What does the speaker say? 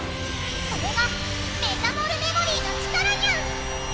それがメタモルメモリーの力ニャン！